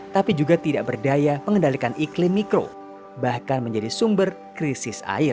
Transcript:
tapi juga tidak berdaya mengendalikan iklim mikro bahkan menjadi sumber krisis air